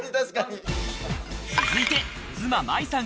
続いて、妻・五月さん